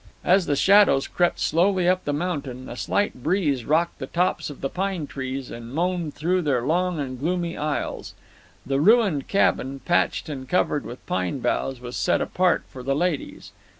As the shadows crept slowly up the mountain, a slight breeze rocked the tops of the pine trees, and moaned through their long and gloomy aisles. The ruined cabin, patched and covered with pine boughs, was set apart for the ladies.